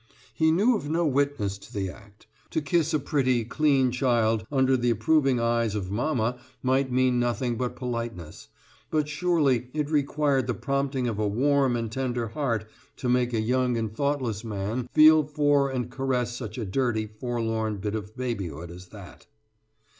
He knew of no witness to the act. To kiss a pretty, clean child under the approving eyes of mamma might mean nothing but politeness, but surely it required the prompting of a warm and tender heart to make a young and thoughtless man feel for and caress such a dirty, forlorn bit of babyhood as that.